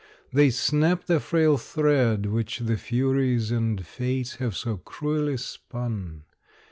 They snap the frail thread which the Furies And Fates have so cruelly spun.